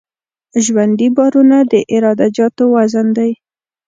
ژوندي بارونه د عراده جاتو وزن دی